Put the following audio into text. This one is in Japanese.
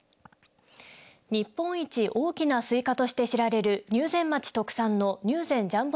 日本一大きなスイカとして知られる入善町特産の入善ジャンボ